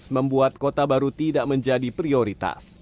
membuat kota baru tidak menjadi prioritas